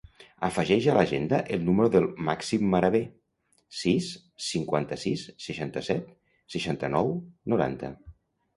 Afegeix a l'agenda el número del Màxim Maraver: sis, cinquanta-sis, seixanta-set, seixanta-nou, noranta.